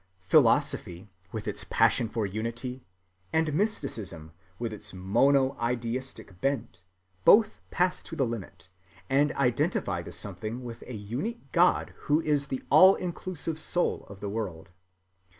Philosophy, with its passion for unity, and mysticism with its monoideistic bent, both "pass to the limit" and identify the something with a unique God who is the all‐inclusive soul of the world.